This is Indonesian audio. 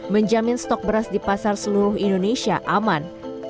menjamin stok beras di pasar seluruh indonesia aman